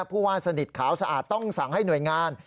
ผู้ว่าสนิทขาวสะอาดต้องสั่งให้หน่วยงาน